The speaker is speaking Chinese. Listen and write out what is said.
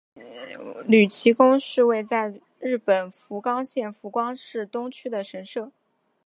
筥崎宫是位在日本福冈县福冈市东区的神社。